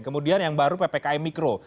kemudian yang baru ppkm mikro